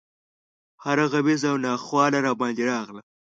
هره غمیزه او ناخواله راباندې راغله.